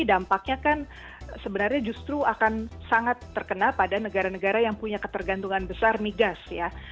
dampaknya kan sebenarnya justru akan sangat terkena pada negara negara yang punya ketergantungan besar migas ya